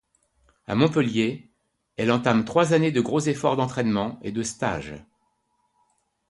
À Montpellier, elle entame trois années de gros efforts d'entraînement et de stages.